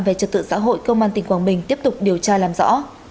và trực tự xã hội công an tỉnh quảng bình tiếp tục điều tra làm rõ